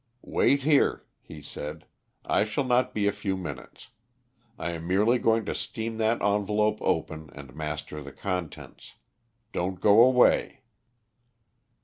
"Wait here," he said. "I shall not be a few minutes. I am merely going to steam that envelope open and master the contents. Don't go away."